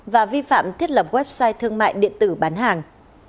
và vi phạm thiết lập website thương mại điện tử bán hàng